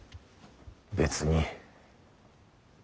別に。